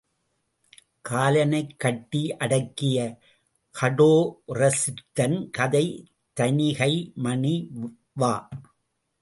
காலனைக் கட்டி யடக்கிய கடோரசித்தன் கதை தணிகைமணி வ.